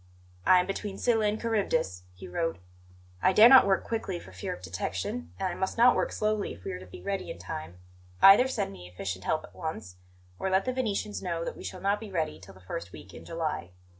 "I am between Scylla and Charybdis," he wrote. "I dare not work quickly, for fear of detection, and I must not work slowly if we are to be ready in time. Either send me efficient help at once, or let the Venetians know that we shall not be ready till the first week in July."